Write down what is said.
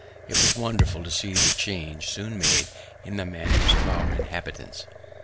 It was wonderful to see the change soon made in the manners of our inhabitants.